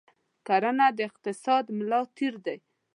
کرنه د اقتصاد ملا تیر دی.